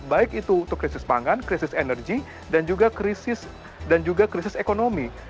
baik itu untuk krisis pangan krisis energi dan juga krisis ekonomi